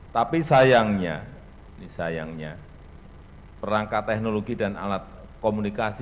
tapi sayangnya perangkat teknologi dan alat komunikasi